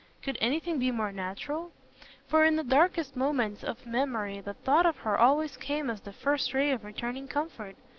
Could anything be more natural? For in the darkest moments of memory the thought of her always came as the first ray of returning comfort.